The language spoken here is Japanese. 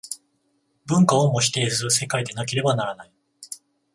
文化をも否定する世界でなければならない。